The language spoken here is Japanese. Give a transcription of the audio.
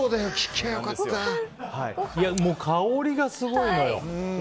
香りがすごいのよ。